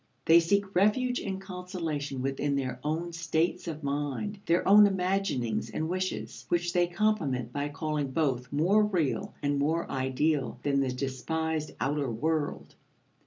They seek refuge and consolation within their own states of mind, their own imaginings and wishes, which they compliment by calling both more real and more ideal than the despised outer world.